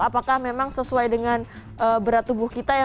apakah memang sesuai dengan berat tubuh kita ya